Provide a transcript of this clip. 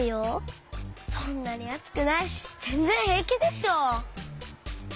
そんなにあつくないしぜんぜんへいきでしょ。